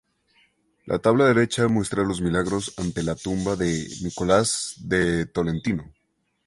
La tabla derecha muestra los milagros ante la tumba de Nicolás de Tolentino.